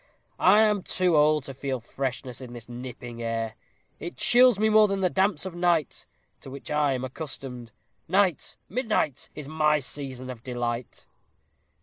I am too old to feel freshness in this nipping air. It chills me more than the damps of night, to which I am accustomed. Night midnight! is my season of delight.